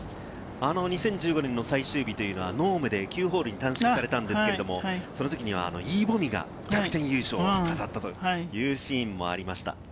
２０１５年の最終日というのは濃霧で９ホールに短縮されたんですけれど、その時にはイ・ボミが逆転優勝を飾ったというシーンもありました。